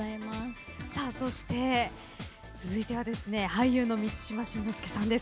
そして続いては俳優の満島真之介さんです。